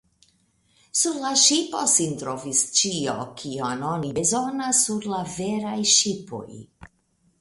Sur la ŝipo sin trovis ĉio, kion oni bezonas sur la veraj ŝipoj.